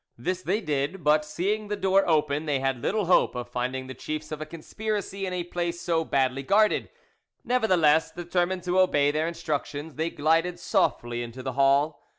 This they did, but seeing the door open, they had little hope of finding the chiefs of a conspiracy in a place so badly guarded; nevertheless, determined to obey their instructions, they glided softly into the hall.